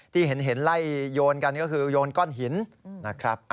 ที่เห็นไล่โยนกันก็คือโยนก้อนหินนะครับ